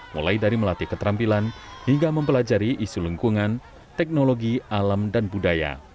mulai dari melatih keterampilan hingga mempelajari isu lingkungan teknologi alam dan budaya